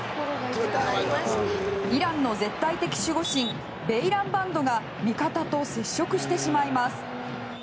イランの絶対的守護神ベイランバンドが味方と接触してしまいます。